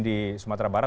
di sumatera barat